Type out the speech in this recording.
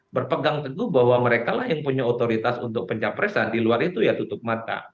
berpegang teguh bahwa mereka lah yang punya otoritas untuk pencapresan di luar itu ya tutup mata